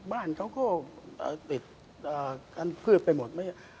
บ้านเขาก็ติดกันพืชไปหมดไหม